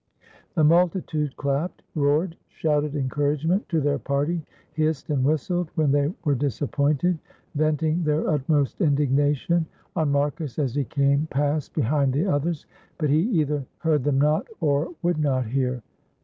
The multitude clapped, roared, shouted encourage ment to their party, hissed and whistled when they were disappointed — venting their utmost indignation on Marcus as he came past behind the others; but he either 500 1 THE WINNING OF THE FIRST MISSUS heard them not or would not hear.